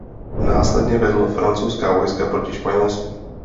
Následně vedl francouzská vojska proti Španělsku.